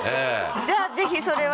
じゃあぜひそれは。